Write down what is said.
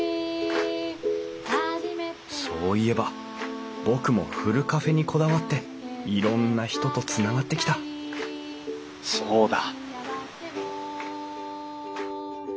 そう言えば僕もふるカフェにこだわっていろんな人とつながってきたそうだ！